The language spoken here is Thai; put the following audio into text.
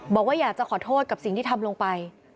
บอกว่าอยากจะขอโทษกับสิ่งที่ทำลงไป